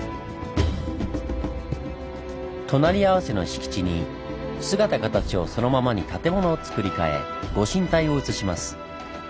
隣り合わせの敷地に姿形をそのままに建物をつくり替え御神体を移します。